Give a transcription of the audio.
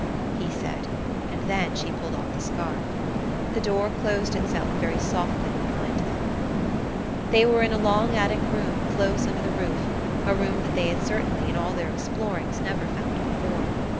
he said, and then she pulled off the scarf. The door closed itself very softly behind them. They were in a long attic room close under the roof–a room that they had certainly, in all their explorings, never found before.